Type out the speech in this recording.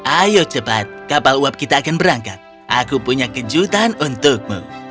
ayo cepat kapal uap kita akan berangkat aku punya kejutan untukmu